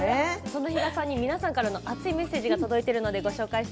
そんな比嘉さんに皆さんから熱いメッセージが届いています。